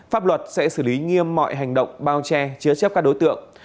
pháp luật sẽ xử lý nghiêm mọi hành động bao che chứa chấp các đối tượng